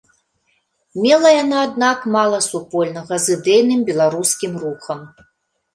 Мела яна, аднак, мала супольнага з ідэйным беларускім рухам.